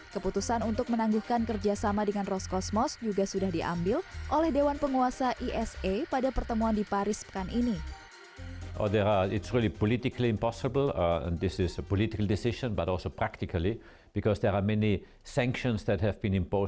keputusan untuk menangguhkan kerjasama dengan roskosmos juga sudah diambil oleh dewan penguasa esa pada pertemuan di paris pekan ini